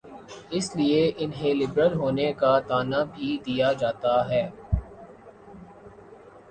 اسی لیے انہیں لبرل ہونے کا طعنہ بھی دیا جاتا ہے۔